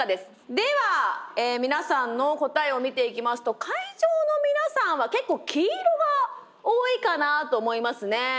では皆さんの答えを見ていきますと会場の皆さんは結構黄色が多いかなと思いますね。